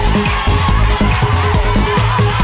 ไข